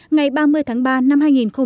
ngày ba mươi tháng ba năm hai nghìn hai mươi